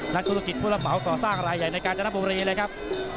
และภูราสรักเหล่าก่อนสร้างลายใหญ่ในการจำหน้าบุรีเลยครับ